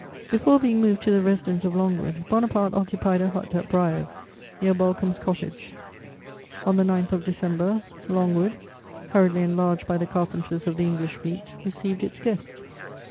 Before being moved to the residence of Longwood, Bonaparte occupied a hut at Briars, near Balcomb's Cottage. On the 9th of December, Longwood, hurriedly enlarged by the carpenters of the English fleet, received its guest.